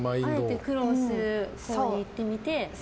あえて苦労するほうに行ってみて。